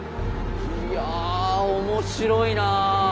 いや面白いな。